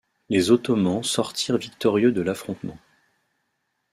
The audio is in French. Les Ottomans sortirent victorieux de l'affrontement.